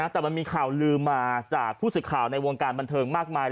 แต่มันมีข่าวลืมมาจากผู้สื่อข่าวในวงการบันเทิงมากมาย